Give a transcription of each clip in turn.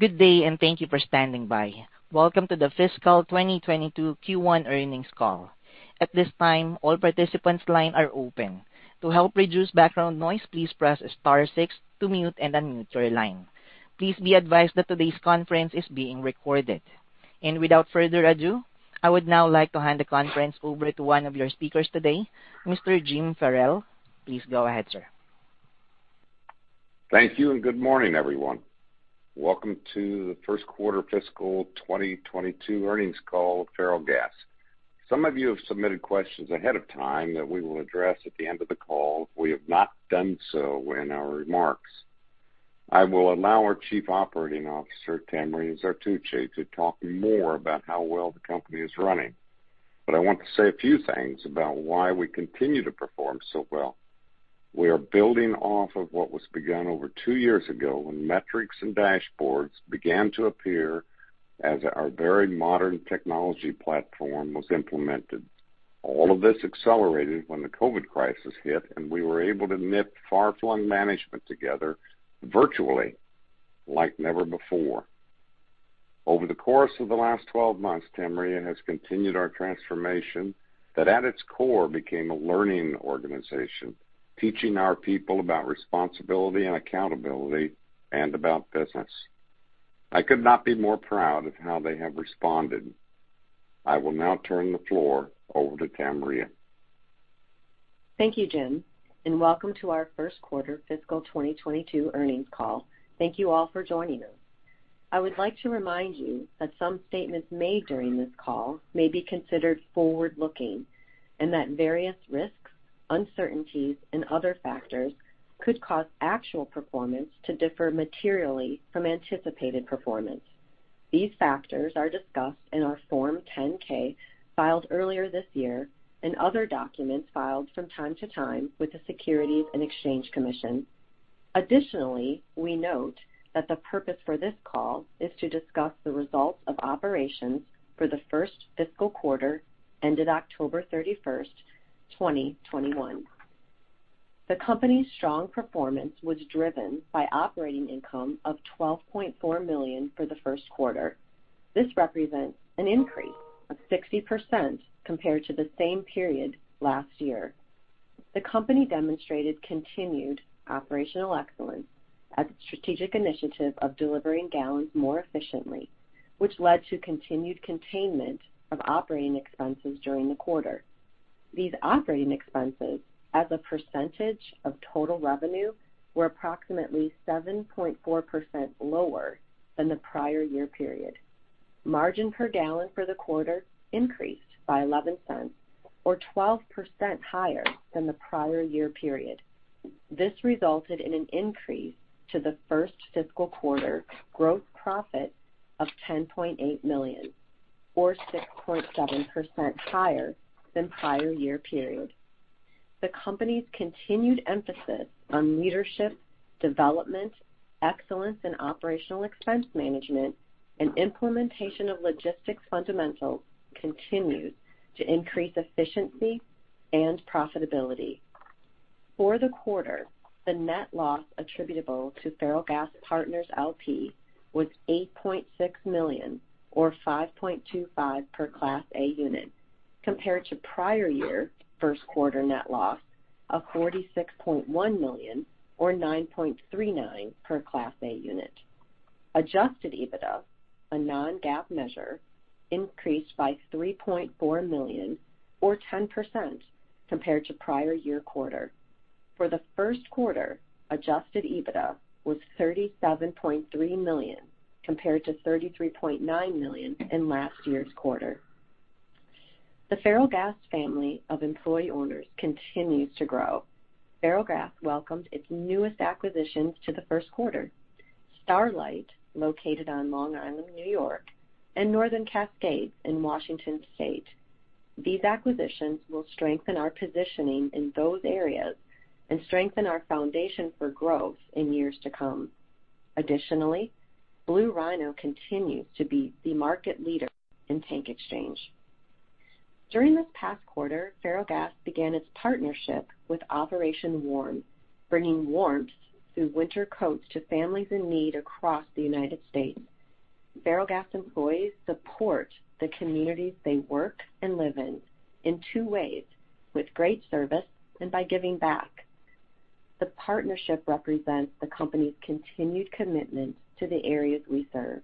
Good day, and thank you for standing by. Welcome to the fiscal 2022 Q1 earnings call. At this time, all participants' lines are open. To help reduce background noise, please press star six to mute and unmute your line. Please be advised that today's conference is being recorded. Without further ado, I would now like to hand the conference over to one of your speakers today, Mr. Jim Ferrell. Please go ahead, sir. Thank you and good morning, everyone. Welcome to the first quarter fiscal 2022 earnings call, Ferrellgas. Some of you have submitted questions ahead of time that we will address at the end of the call if we have not done so in our remarks. I will allow our Chief Operating Officer, Tamria Zertuche, to talk more about how well the company is running. I want to say a few things about why we continue to perform so well. We are building off of what was begun over two years ago when metrics and dashboards began to appear as our very modern technology platform was implemented. All of this accelerated when the COVID crisis hit, and we were able to knit far-flung management together virtually like never before. Over the course of the last 12 months, Tamria has continued our transformation that at its core became a learning organization, teaching our people about responsibility and accountability and about business. I could not be more proud of how they have responded. I will now turn the floor over to Tamria. Thank you, Jim, and welcome to our first quarter fiscal 2022 earnings call. Thank you all for joining us. I would like to remind you that some statements made during this call may be considered forward-looking, and that various risks, uncertainties and other factors could cause actual performance to differ materially from anticipated performance. These factors are discussed in our Form 10-K filed earlier this year and other documents filed from time to time with the Securities and Exchange Commission. Additionally, we note that the purpose for this call is to discuss the results of operations for the first fiscal quarter ended October 31st, 2021. The company's strong performance was driven by operating income of $12.4 million for the first quarter. This represents an increase of 60% compared to the same period last year. The company demonstrated continued operational excellence as a strategic initiative of delivering gallons more efficiently, which led to continued containment of operating expenses during the quarter. These operating expenses as a percentage of total revenue were approximately 7.4% lower than the prior year period. Margin per gallon for the quarter increased by $0.11 or 12% higher than the prior year period. This resulted in an increase to the first fiscal quarter gross profit of $10.8 million or 6.7% higher than prior year period. The company's continued emphasis on leadership, development, excellence in operational expense management and implementation of logistics fundamentals continued to increase efficiency and profitability. For the quarter, the net loss attributable to Ferrellgas Partners, L.P. was $8.6 million or 5.25 per Class A Unit, compared to prior year first quarter net loss of $46.1 million or 9.39 per Class A Unit. Adjusted EBITDA, a non-GAAP measure, increased by $3.4 million or 10% compared to prior year quarter. For the first quarter, adjusted EBITDA was $37.3 million, compared to $33.9 million in last year's quarter. The Ferrellgas family of employee owners continues to grow. Ferrellgas welcomed its newest acquisitions to the first quarter, StarLite, located on Long Island, New York, and North Cascades in Washington State. These acquisitions will strengthen our positioning in those areas and strengthen our foundation for growth in years to come. Additionally, Blue Rhino continues to be the market leader in tank exchange. During this past quarter, Ferrellgas began its partnership with Operation Warm, bringing warmth through winter coats to families in need across the United States. Ferrellgas employees support the communities they work and live in two ways, with great service and by giving back. The partnership represents the company's continued commitment to the areas we serve.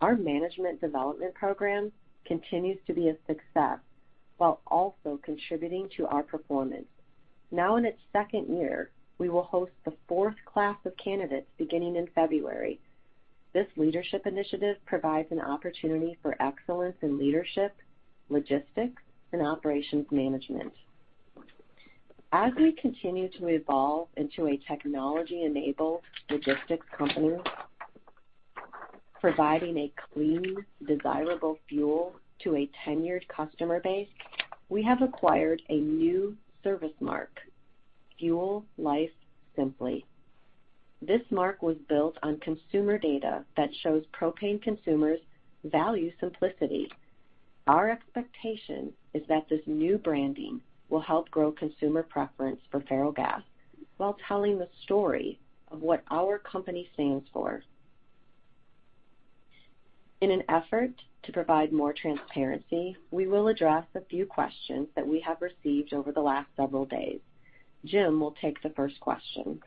Our management development program continues to be a success while also contributing to our performance. Now in its second year, we will host the fourth class of candidates beginning in February. This leadership initiative provides an opportunity for excellence in leadership, logistics and operations management. As we continue to evolve into a technology-enabled logistics company, providing a clean, desirable fuel to a tenured customer base, we have acquired a new service mark, Fuel Life Simply. This mark was built on consumer data that shows propane consumers value simplicity. Our expectation is that this new branding will help grow consumer preference for Ferrellgas while telling the story of what our company stands for. In an effort to provide more transparency, we will address a few questions that we have received over the last several days. Jim Ferrell will take the first question.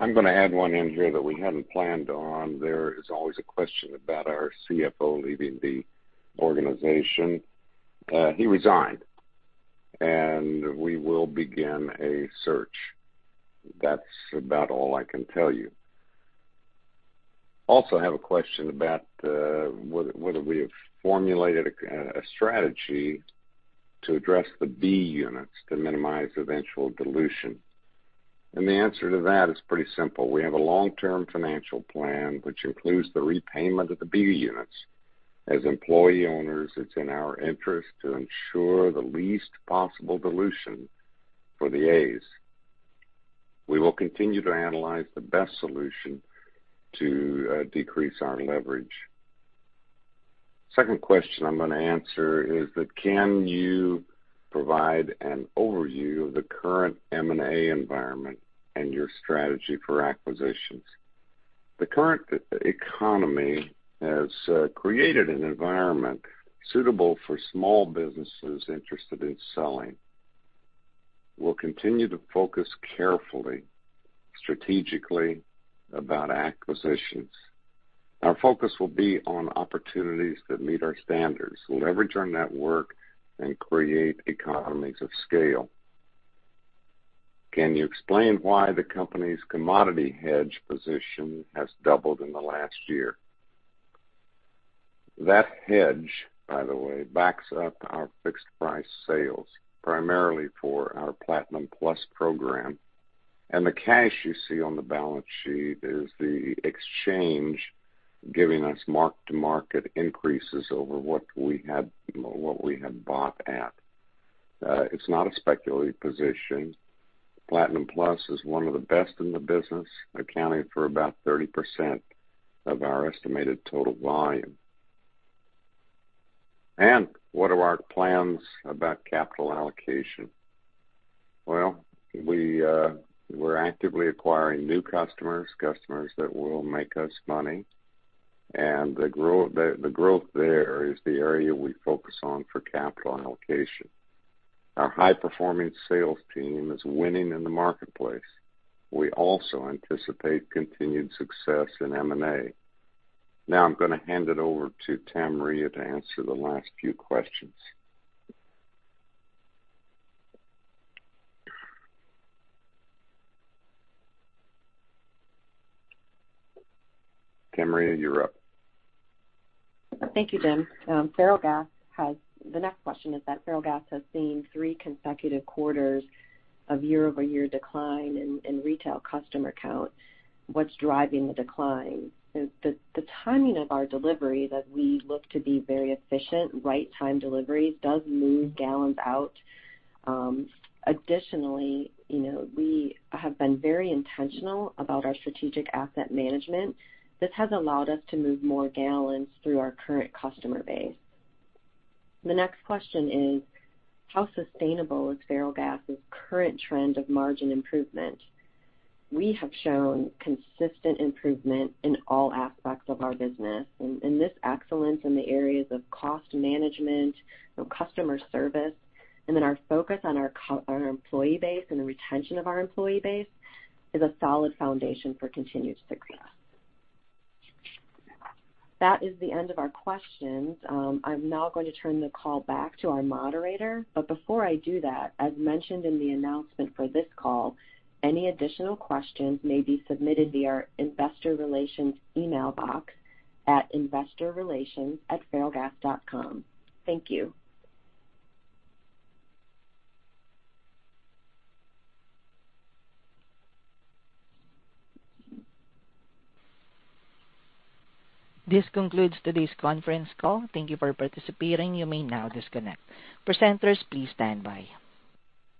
I'm gonna add one in here that we hadn't planned on. There is always a question about our Chief Financial Officer leaving the organization. He resigned, and we will begin a search. That's about all I can tell you. I also have a question about whether we have formulated a strategy to address the B units to minimize eventual dilution. The answer to that is pretty simple. We have a long-term financial plan which includes the repayment of the B units. As employee owners, it's in our interest to ensure the least possible dilution for the As. We will continue to analyze the best solution to decrease our leverage. Second question I'm gonna answer is that can you provide an overview of the current M&A environment and your strategy for acquisitions? The current economy has created an environment suitable for small businesses interested in selling. We'll continue to focus carefully, strategically about acquisitions. Our focus will be on opportunities that meet our standards, leverage our network and create economies of scale. Can you explain why the company's commodity hedge position has doubled in the last year? That hedge, by the way, backs up our fixed price sales, primarily for our Platinum Plus program. The cash you see on the balance sheet is the exchange giving us mark-to-market increases over what we had bought at. It's not a speculative position. Platinum Plus is one of the best in the business, accounting for about 30% of our estimated total volume. What are our plans about capital allocation? We're actively acquiring new customers that will make us money. The growth there is the area we focus on for capital allocation. Our high-performing sales team is winning in the marketplace. We also anticipate continued success in M&A. Now I'm gonna hand it over to Tamria to answer the last few questions. Tamria, you're up. Thank you, Jim. The next question is that Ferrellgas has seen three consecutive quarters of year-over-year decline in retail customer count. What's driving the decline? The timing of our delivery that we look to be very efficient, right time delivery, does move gallons out. Additionally, you know, we have been very intentional about our strategic asset management. This has allowed us to move more gallons through our current customer base. The next question is how sustainable is Ferrellgas' current trend of margin improvement? We have shown consistent improvement in all aspects of our business. This excellence in the areas of cost management, customer service, and then our focus on our employee base and the retention of our employee base is a solid foundation for continued success. That is the end of our questions. I'm now going to turn the call back to our moderator. Before I do that, as mentioned in the announcement for this call, any additional questions may be submitted via our investor relations email box at investorrelations@ferrellgas.com. Thank you. This concludes today's conference call. Thank you for participating. You may now disconnect. Presenters, please stand by.